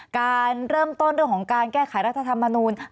การเริ่มต้นเรื่องของการแก้ไขรัฐธรรมนูล